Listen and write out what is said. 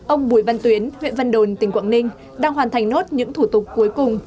ông bùi văn tuyến huyện vân đồn tỉnh quảng ninh đang hoàn thành nốt những thủ tục cuối cùng